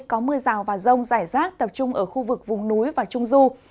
có mưa rào và rông rải rác tập trung ở khu vực vùng núi và trung du